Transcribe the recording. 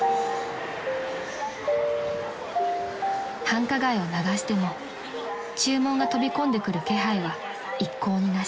［繁華街を流しても注文が飛び込んでくる気配は一向になし］